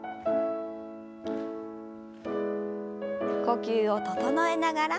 呼吸を整えながら。